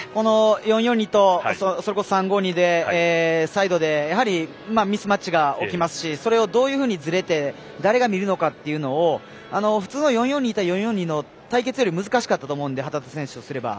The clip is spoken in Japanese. ４−４−２とそれこそ３−５−２でサイドでミスマッチが起きますしどういうふうにずれて誰が見るのかっていうのを普通の４−４−２と４−４−２の対決より難しかったと思うので旗手選手とすれば。